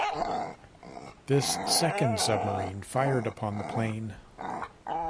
This second submarine fired upon the plane.